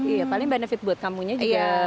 iya paling benefit buat kamu nya juga